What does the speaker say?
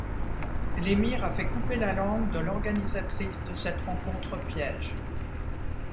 L’émir a fait couper la langue de l'organisatrice de cette rencontre piège.